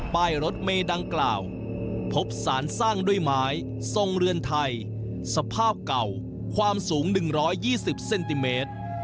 ป้ายรถเมดังกล่าวพบสารสร้างด้วยไม้ทรงเรือนไทยสภาพเก่าความสูง๑๒๐เซนติเมตร